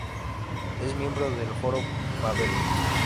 Es miembro del Foro Babel.